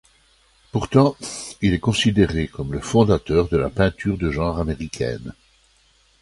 Pourtant, il est considéré comme le fondateur de la peinture de genre américaine.